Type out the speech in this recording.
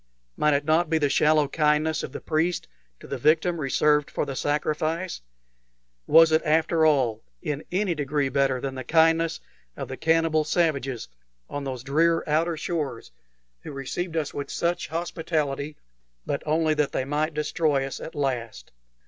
Might it not be the shallow kindness of the priest to the victim reserved for the sacrifice? Was it, after all, in any degree better than the kindness of the cannibal savages on those drear outer shores who received us with such hospitality, but only that they might destroy us at last?